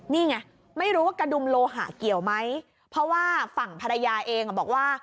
นี่ไงไม่รู้ว่ากระดุมโลหะเกี่ยวไหมเพราะว่าฝั่งภรรยาเองอ่ะบอกว่า